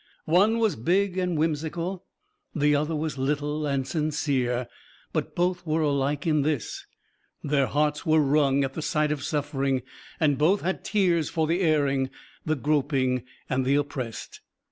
One was big and whimsical, the other was little and sincere, but both were alike in this: their hearts were wrung at the sight of suffering, and both had tears for the erring, the groping, and the oppressed.